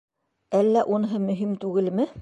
Әллә уныһы мөһим түгелме?